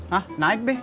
hah naik be